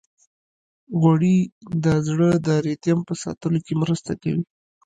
غوړې د زړه د ریتم په ساتلو کې مرسته کوي.